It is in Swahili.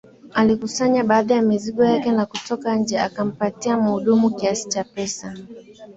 Alikusanya baadhi ya mizigo yake na kutoka nje akampatia muhudumu kiasi cha pesa